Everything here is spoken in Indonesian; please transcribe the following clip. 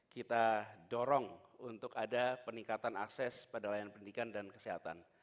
kita dorong untuk ada peningkatan akses pada layanan pendidikan dan kesehatan